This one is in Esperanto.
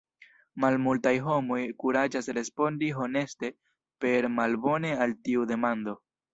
Malmultaj homoj kuraĝas respondi honeste per Malbone al tiu demando.